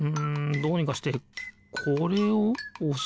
どうにかしてこれをおすのかな？